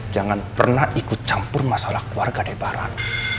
jangan pernah ikut campur masalah keluarga debaran